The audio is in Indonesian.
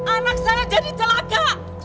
anak saya jadi telaka